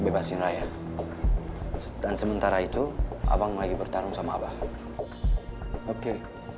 bebasin raya dan sementara itu abang lagi bertarung sama abang oke